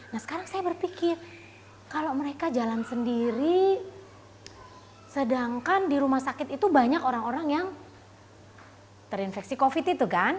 nah sekarang saya berpikir kalau mereka jalan sendiri sedangkan di rumah sakit itu banyak orang orang yang terinfeksi covid itu kan